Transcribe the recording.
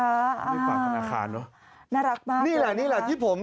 ไม่ปักธนาคารเนอะน่ารักมากเลยนะคะนี่แหละนี่แหละ